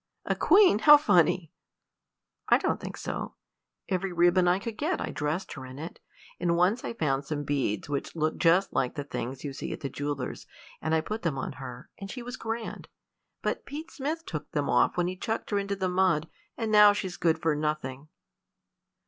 "A queen! how funny!" "I don't think so. Every ribbon I could get I dressed her in it, and once I found some beads which looked just like the things you see at the jewellers', and I put them on her, and she was grand; but Pete Smith took them off when he chucked her into the mud, and now she's good for nothing."